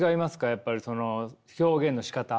やっぱりその表現のしかた。